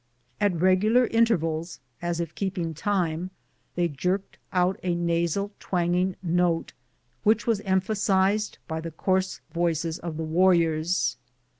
At regular intervals, as if keeping time, they jerked out a nasal twanging note which was em phasized by the coarse voices of the warriors.